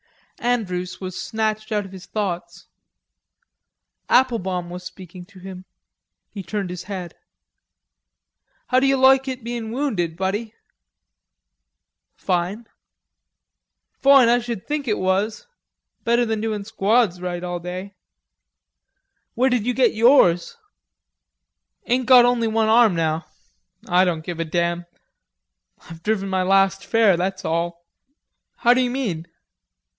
Andrews was snatched out of his thoughts. Applebaum was speaking to him; he turned his head. "How d'you loike it bein' wounded, buddy?" "Fine." "Foine, I should think it was.... Better than doin' squads right all day." "Where did you get yours?" "Ain't got only one arm now.... I don't give a damn.... I've driven my last fare, that's all." "How d'you mean?"